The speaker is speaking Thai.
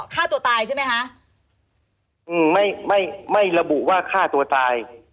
ฆ่าตัวตายใช่ไหมคะอืมไม่ไม่ไม่ระบุว่าฆ่าตัวตาย